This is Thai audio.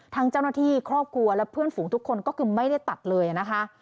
ทั้งเจ้าหน้าที่ครอบครัวและเพื่อนฝูงทุกคนก็คือไม่ได้ตัดเลยนะคะ